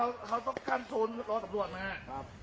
อันนี้เขาต้องการโทนรอตำรวจนะครับ